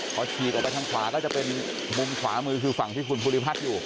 พอฉีกออกไปทางขวาก็จะเป็นมุมขวามือคือฝั่งที่คุณภูริพัฒน์อยู่